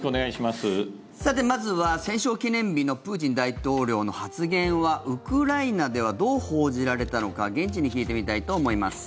さて、まずは戦勝記念日のプーチン大統領の発言はウクライナではどう報じられたのか現地に聞いてみたいと思います。